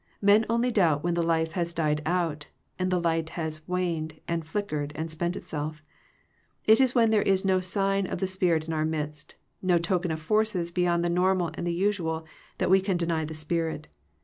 Men only doubt when the life has died out, and the light has waned, and flickered, and spent itself. It is when there is no sign of the spirit in our midst, no token of forces beyond the normal and the usual, that we can deny the spirit.